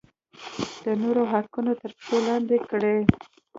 د نورو حقوق تر پښو لاندې کړي.